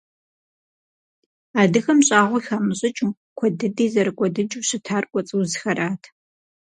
Адыгэм щӏагъуи хамыщӏыкӏыу, куэд дыди зэрыкӏуэдыкӏыу щытар кӏуэцӏ узхэрат.